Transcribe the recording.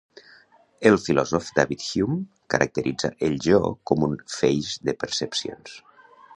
El filòsof David Hume caracteritza el jo com un «feix de percepcions».